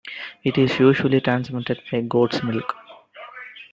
It is usually transmitted by goat's milk.